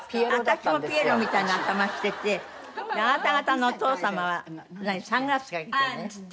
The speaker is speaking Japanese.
私もピエロみたいな頭しててあなた方のお父様はサングラスかけて。